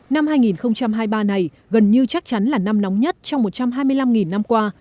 năm hai nghìn hai mươi ba này gần như chắc chắn là năm nóng nhất trong một trăm hai mươi năm năm qua